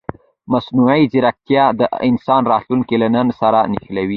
مصنوعي ځیرکتیا د انسان راتلونکی له نن سره نښلوي.